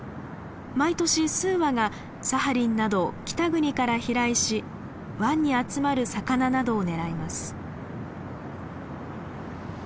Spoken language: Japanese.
毎年数羽がサハリンなど北国から飛来し湾に集まる魚などを狙います。